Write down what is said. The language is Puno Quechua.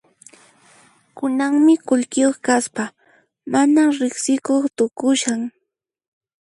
Kunanmi qullqiyuq kaspa mana riqsikuq tukushan.